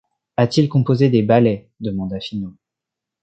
A-t-il composé des ballets, demanda Finot.